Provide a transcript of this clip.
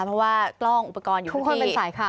เพราะว่ากล้องอุปกรณ์อยู่ที่